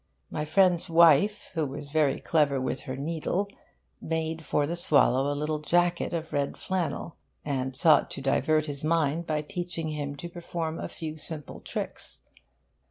My friend's wife, who was very clever with her needle, made for the swallow a little jacket of red flannel, and sought to divert his mind by teaching him to perform a few simple tricks.